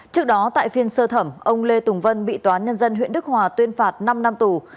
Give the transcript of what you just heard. trước đó tại phiên sơ thẩm ông lê tùng vân bị tòa nhân dân huyện đức hòa tuyên phạt năm năm tù